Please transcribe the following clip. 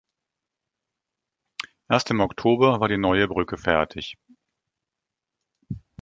Erst im Oktober war die neue Brücke fertig.